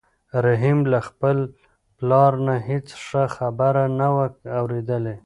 رحیم له خپل پلار نه هېڅ ښه خبره نه وه اورېدلې.